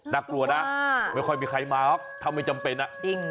น่ากลัวนะไม่ค่อยมีใครมาถ้าไม่จำเป็น